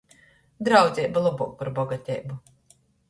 Draudzeiba lobuok par boguoteibu.